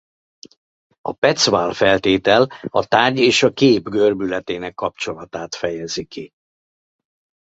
A Petzval-feltétel a tárgy és a kép görbületének kapcsolatát fejezi ki.